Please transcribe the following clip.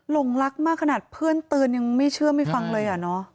หลงรักมากขนาดเพื่อนเตือนยังไม่เชื่อไม่ฟังเลยอ่ะเนอะ